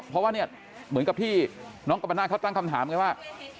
เพราะว่าเนี่ยเหมือนกับที่น้องกัมปนาศเขาตั้งคำถามไงว่า